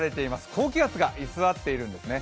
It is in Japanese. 高気圧が居座っているんですね。